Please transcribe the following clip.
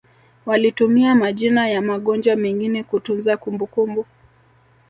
walitumia majina ya magonjwa mengine kutunza kumbukumbu